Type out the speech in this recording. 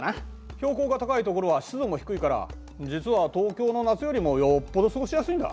標高が高い所は湿度も低いから実は東京の夏よりもよっぽど過ごしやすいんだ。